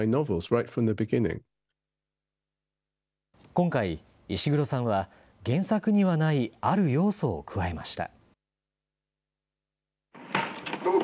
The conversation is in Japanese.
今回、イシグロさんは、原作にはない、ある要素を加えました。